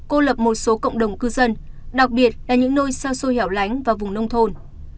cô lập một số cộng đồng cư dân đặc biệt là những nơi xa xôi hẻo lánh và vùng nông thôn